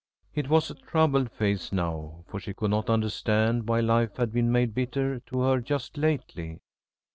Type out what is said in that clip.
It was a troubled face now, for she could not understand why life had been made bitter to her just lately.